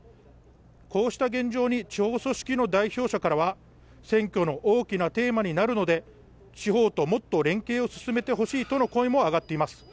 こうした現状に地方組織の代表者からは、選挙の大きなテーマになるので、地方ともっと連携を進めてほしいとの声も上がっています。